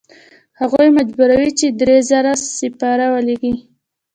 هغوی مجبوروي چې درې زره سپاره ولیږي.